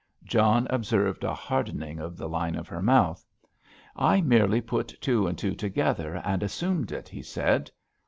John observed a hardening of the line of her mouth. "I merely put two and two together and assumed it," he said.